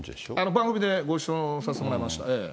番組でご一緒させてもらいました。